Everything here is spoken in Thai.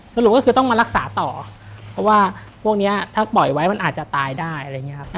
สรุปก็คือต้องมารักษาต่อเพราะว่าพวกนี้ถ้าปล่อยไว้มันอาจจะตายได้